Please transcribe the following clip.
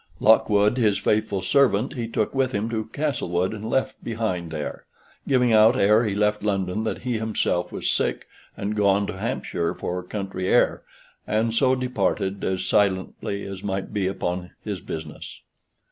Lockwood, his faithful servant, he took with him to Castlewood, and left behind there: giving out ere he left London that he himself was sick, and gone to Hampshire for country air, and so departed as silently as might be upon his business.